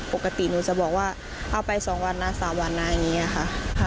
ปกติหนูจะบอกว่าเอาไป๒วันนะ๓วันนะอย่างนี้ค่ะ